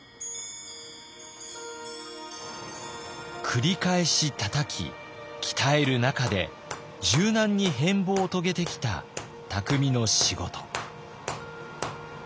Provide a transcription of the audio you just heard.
繰り返したたき鍛える中で柔軟に変貌を遂げてきた匠の仕事。